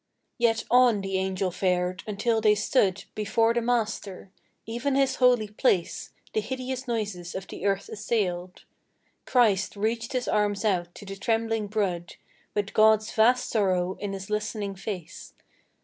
Yet on the Angel fared, until they stood Before the Master. (Even His holy place The hideous noises of the earth assailed.) Christ reached His arms out to the trembling brood, With God's vast sorrow in His listening face.